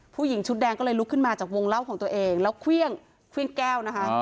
ผู้หญิงชุดแดงก็เลยลุกขึ้นมาจากวงเล่าของตัวเองแล้วเครื่องเครื่องแก้วนะคะ